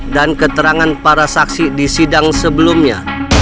dan keterangan para saksi di sidang sebelumnya